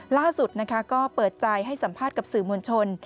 ล่าสุดนะคะก็เปิดใจให้สัมภาษณ์กับสื่อมวลชน